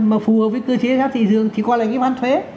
mà phù hợp với cơ chế giá thị trường thì qua lại cái van thuế